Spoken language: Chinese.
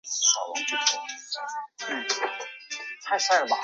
华南谷精草为谷精草科谷精草属下的一个种。